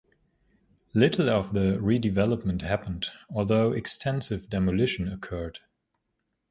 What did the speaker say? Little of the redevelopment happened, although extensive demolition occurred.